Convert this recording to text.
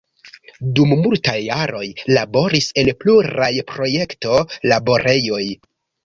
Dum multaj jaroj laboris en pluraj projekto-laborejoj.